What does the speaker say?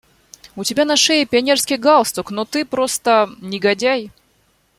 У тебя на шее пионерский галстук, но ты просто… негодяй.